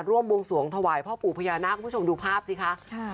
บวงสวงถวายพ่อปู่พญานาคคุณผู้ชมดูภาพสิคะ